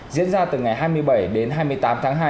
diễn ra từ ngày hai mươi bảy đến hai mươi tám tháng hai